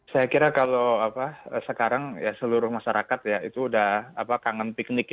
saya kira kalau sekarang seluruh masyarakat itu udah kangen piknik ya